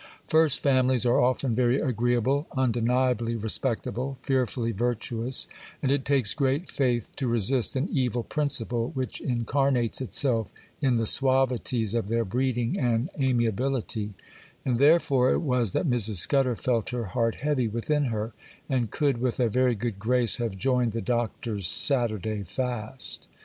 First families are often very agreeable, undeniably respectable—fearfully virtuous; and it takes great faith to resist an evil principle which incarnates itself in the suavities of their breeding and amiability; and therefore it was that Mrs. Scudder felt her heart heavy within her, and could with a very good grace have joined the Doctor's Saturday fast.